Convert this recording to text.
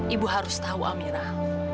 ibu harus tahu amirah